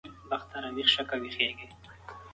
ملکیار بابا د هوتکو په کورنۍ کې یو ستر نوم دی